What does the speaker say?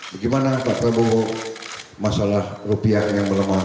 bagaimana pak prabowo masalah rupiahnya yang melemah